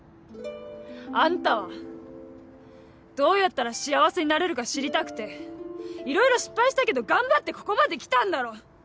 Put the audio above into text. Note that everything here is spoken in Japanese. あんたはどうやったら幸せになれるか知りたくていろいろ失敗したけど頑張ってここまで来たんだろ。